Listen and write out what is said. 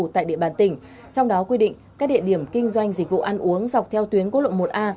tại địa bàn tỉnh trong đó quy định các địa điểm kinh doanh dịch vụ ăn uống dọc theo tuyến quốc lộ một a